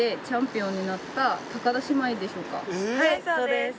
はいそうです。